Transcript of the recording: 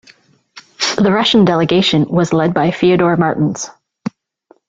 The Russian delegation was led by Fyodor Martens.